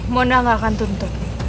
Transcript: mona enggak akan tuntut